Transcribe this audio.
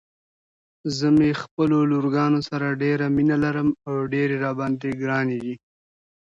زه مې خپلو لورګانو سره ډيره مينه لرم او ډيرې راباندې ګرانې دي.